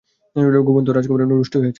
ঘুমন্ত রাজকুমারী রুষ্ট হয়েছেন।